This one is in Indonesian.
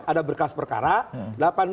ada berkas perkara